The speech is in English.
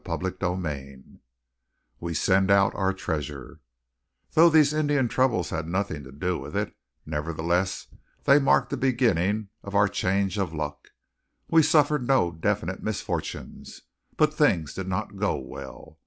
CHAPTER XXVI WE SEND OUT OUR TREASURE Though these Indian troubles had nothing to do with it, nevertheless they marked the beginning of our change of luck. We suffered no definite misfortunes; but things did not go well.